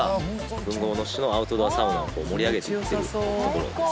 豊後大野市のアウトドアサウナを盛り上げていってるところです。